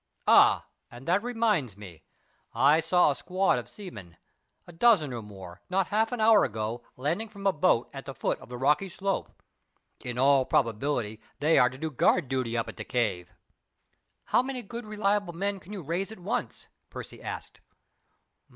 Ah! and that reminds me; I saw a squad of seamen a dozen or more not half an hour ago, landing from a boat at the foot of the rocky slope. In all probability they are to do guard duty up at the cave." "How many good, reliable men can you raise at once?" Percy asked.